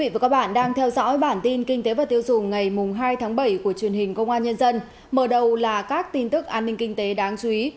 trong bản tin kinh tế và tiêu dùng ngày hai tháng bảy của truyền hình công an nhân dân mở đầu là các tin tức an ninh kinh tế đáng chú ý